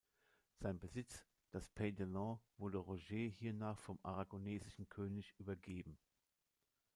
Sein Besitz, das Pays d’Ailon, wurde Roger hiernach vom aragonesischen König übergeben.